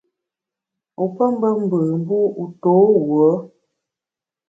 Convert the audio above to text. Wu pé mbe mbù, mbu wu to wuo ?